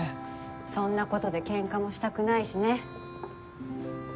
そんなことで喧嘩もしたくないしね。